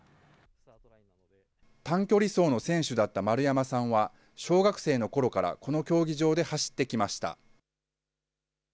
短距離走の選手だった丸山さんは、小学生のころからこの競技場で走ってきました。